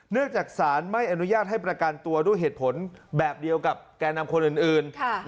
จากศาลไม่อนุญาตให้ประกันตัวด้วยเหตุผลแบบเดียวกับแก่นำคนอื่น